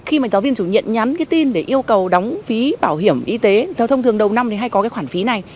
khi mà giáo viên chủ nhiệm nhắn cái tin để yêu cầu đóng phí bảo hiểm y tế theo thông thường đầu năm thì hay có cái khoản phí này